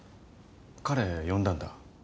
彼呼んだんだ。